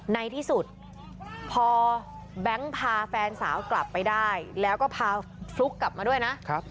ในที่สุดพอแบงค์พาแฟนสาวกลับไปได้แล้วก็พาฟลุ๊กกลับมาด้วยนะ